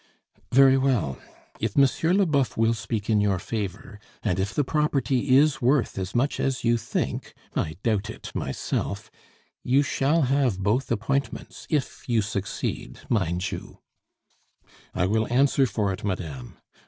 "Very well. If M. Leboeuf will speak in your favor, and if the property is worth as much as you think (I doubt it myself), you shall have both appointments, if you succeed, mind you " "I will answer for it, madame.